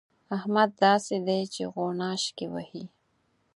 احمد داسې دی چې غوڼاشکې وهي.